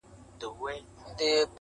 چا چي کړي پر مظلوم باندي ظلمونه-